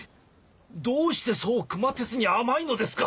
どうしてそう熊徹に甘いのですか！